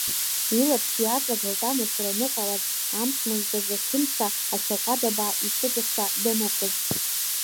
Илаԥш иааҵагылт амашәыр аныҟалаз амш мыждазы Хьымца ашьаҟәадабаа иҿыкьаса данықәыз.